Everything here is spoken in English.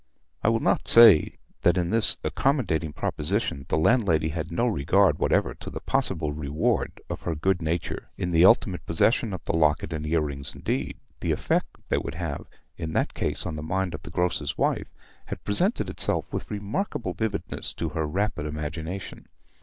I will not say that in this accommodating proposition the landlady had no regard whatever to the possible reward of her good nature in the ultimate possession of the locket and ear rings: indeed, the effect they would have in that case on the mind of the grocer's wife had presented itself with remarkable vividness to her rapid imagination.